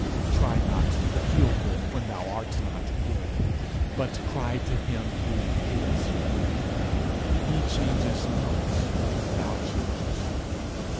Try not to feel good when thou art not good, but cry to Him who is good. He changes not because thou changest.